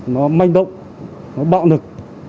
nó manh động nó bạo lực